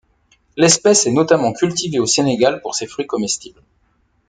L'espèce est notamment cultivée au Sénégal pour ses fruits comestibles.